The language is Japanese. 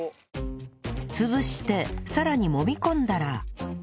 潰してさらにもみ込んだら